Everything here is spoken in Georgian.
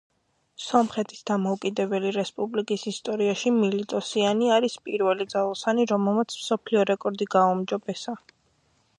სომხეთის დამოუკიდებელი რესპუბლიკის ისტორიაში მილიტოსიანი არის პირველი ძალოსანი რომელმაც მსოფლიო რეკორდი გააუმჯობესა.